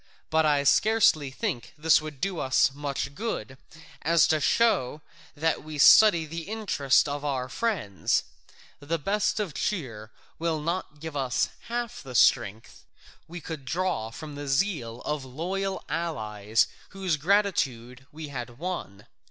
But I scarcely think this would do us so much good as to show that we study the interest of our friends: the best of cheer will not give us half the strength we could draw from the zeal of loyal allies whose gratitude we had won.